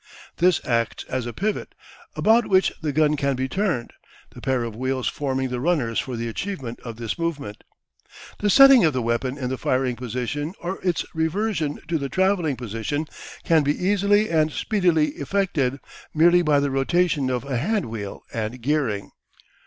This acts as a pivot, about which the gun can be turned, the pair of wheels forming the runners for the achievement of this movement. The setting of the weapon in the firing position or its reversion to the travelling position can be easily and speedily effected merely by the rotation of a handwheel and gearing.